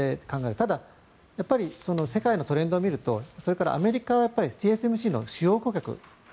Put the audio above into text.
ただ、やっぱり世界のトレンドを見るとそれからアメリカはＴＳＭＣの主要顧客。